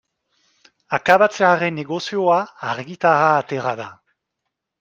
Akabatzearen negozioa argitara atera da.